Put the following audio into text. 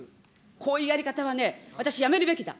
こういうやり方はね、私、やめるべきだ。